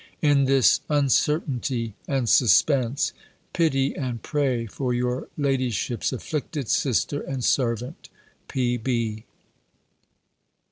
In this uncertainty and suspense, pity and pray for your ladyship's afflicted sister and servant, P.B.